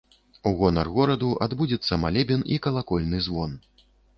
У гонар гораду адбудзецца малебен і калакольны звон.